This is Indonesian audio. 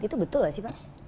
itu betul gak sih pak